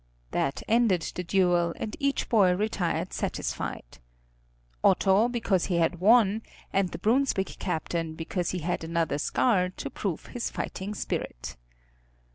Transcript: That ended the duel, and each boy retired satisfied, Otto because he had won, and the Brunswick captain because he had another scar to prove his fighting spirit.